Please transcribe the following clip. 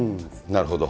なるほど。